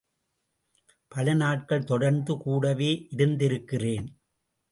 பலநாட்கள்தொடர்ந்து கூடவே இருந்திருக்கிறேன்.